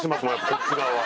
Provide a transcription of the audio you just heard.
こっち側は。